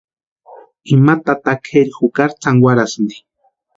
Ima tata kʼeri jukari tsankwarasïnti.